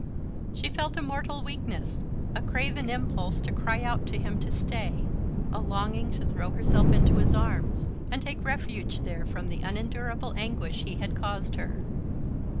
She felt a mortal weakness, a craven impulse to cry out to him to stay, a longing to throw herself into his arms, and take refuge there from the unendurable anguish he had caused her.